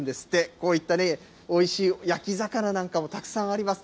こういったね、おいしい焼き魚なんかもたくさんあります。